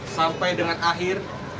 sampai dengan akhir